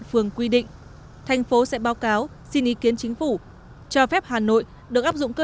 phường quy định thành phố sẽ báo cáo xin ý kiến chính phủ cho phép hà nội được áp dụng cơ